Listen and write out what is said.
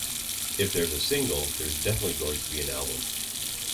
If there's a single, there's definitely going to be an album.